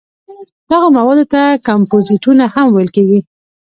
دغو موادو ته کمپوزېټونه هم ویل کېږي.